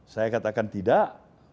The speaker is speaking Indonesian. saya katakan tidak